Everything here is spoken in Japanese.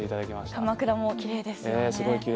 鎌倉もきれいですよね。